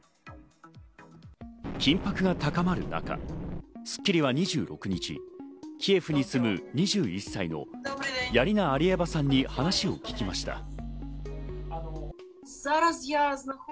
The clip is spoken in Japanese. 緊迫が高まる中、『スッキリ』は２６日、キエフに住む２１歳のヤリナ・アリエバさんに話を聞きました。